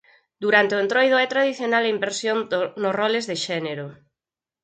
Durante o entroido é tradicional a inversión nos roles de xénero.